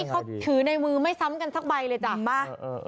ที่เขาถือในมือไม่ซ้ำกันสักใบเลยจ้ะมาเออเออ